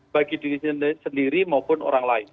bagi diri sendiri maupun orang lain